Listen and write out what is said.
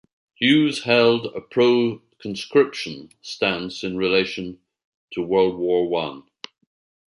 Hughes held a pro-conscription stance in relation to World War One.